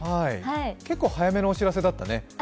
結構早めのお知らせだったね。